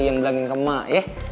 jangan bilangin ke emak ya